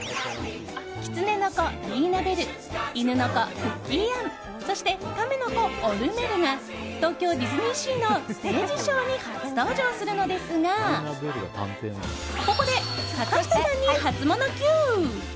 キツネの子、リーナ・ベル犬の子、クッキー・アンそして、カメの子オル・メルが東京ディズニーシーのステージショーに初登場するのですがここで坂下さんにハツモノＱ。